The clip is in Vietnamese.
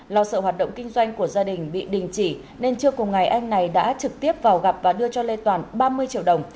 lo sợ hoạt động kinh doanh của gia đình bị đình chỉ nên trưa cùng ngày anh này đã trực tiếp vào gặp và đưa cho lê toàn ba mươi triệu đồng